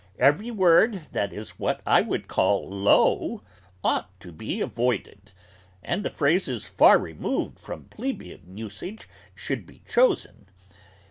Every word that is what I would call 'low,' ought to be avoided, and phrases far removed from plebeian usage should be chosen.